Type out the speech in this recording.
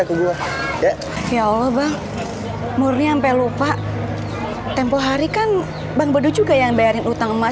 ya allah bang murni sampai lupa tempoh hari kan bang bodoh juga yang bayarin utang emas